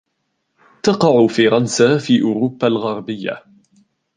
تقع فرنسا في أوروبا الغربية.